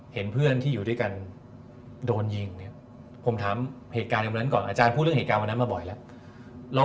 เห็นเพื่อนที่อยู่ด้วยกันโดนยิงเนี่ยผมถามเหตุการณ์ในวันนั้นก่อนอาจารย์พูดเรื่องเหตุการณ์วันนั้นมาบ่อยแล้ว